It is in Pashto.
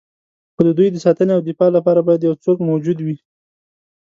خو د دوی د ساتنې او دفاع لپاره باید یو څوک موجود وي.